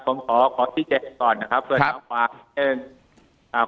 ผมขอที่เจ็บก่อนนะครับ